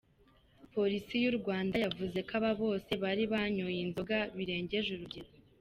Polisi y’u Rwanda yavuze ko aba bose bari banyoye inzoga birengeje urugero.